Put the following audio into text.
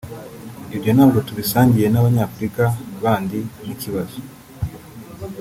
ibyo ntabwo tubisangiye n’abanyafrika bandi nk’ikibazo